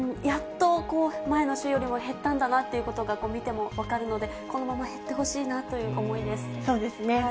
やっと前の週よりも減ったんだなということが、見ても分かるので、このまま減ってほしいなとそうですね。